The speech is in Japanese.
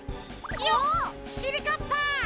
いよっしりかっぱ！